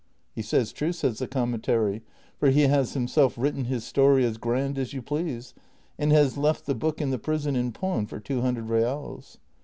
"He says true," said the commissary, " for he has himself written his story as grand as you please, and has left the book in the prison in pawn for two hundred reals."